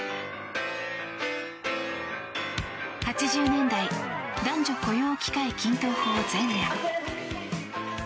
８０年代男女雇用機会均等法前夜。